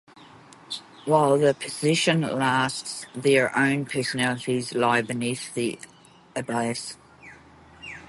While the possession lasts, their own personality lies in abeyance.